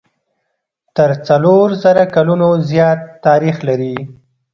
تر څلور زره کلونو زیات تاریخ لري.